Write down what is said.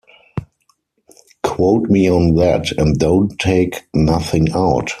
Quote me on that and don't take nothing out.